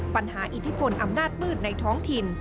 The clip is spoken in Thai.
อิทธิพลอำนาจมืดในท้องถิ่น